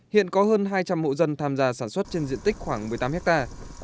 hiện có hơn hai trăm linh hộ dân tham gia sản xuất trên diện tích khoảng một mươi tám hectare